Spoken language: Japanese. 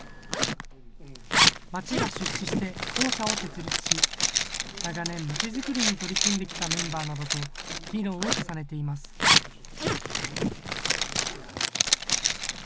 町が出資して、公社を設立し、長年、町づくりに取り組んできたメンバーなどと議論を重ねています。